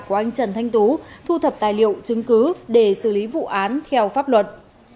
của anh trần thanh tú thu thập tài liệu chứng cứ để xử lý vụ án theo pháp luật